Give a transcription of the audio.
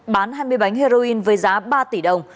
bán hai mươi bánh heroin với giá ba tỷ đồng